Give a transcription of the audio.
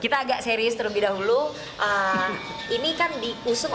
oke kita agak serius terlebih dahulu eee ini kan diusung orang lainnya ya kan